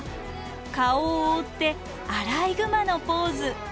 顔を覆ってアライグマのポーズ。